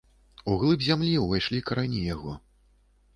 У глыб зямлі ўвайшлі карані яго.